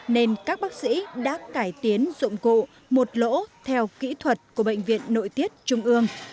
nên các bác sĩ đã cải tiến dụng cụ một lỗ theo kỹ thuật của bệnh viện nội tiết trung ương